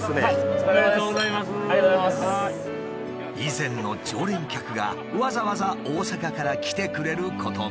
以前の常連客がわざわざ大阪から来てくれることも。